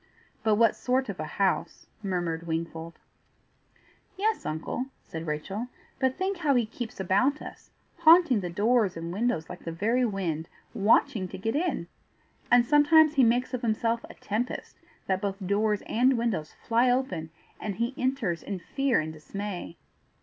"But what sort of a house?" murmured Wingfold. "Yes, uncle," said Rachel; "but think how he keeps about us, haunting the doors and windows like the very wind, watching to get in! And sometimes he makes of himself a tempest, that both doors and windows fly open, and he enters in fear and dismay."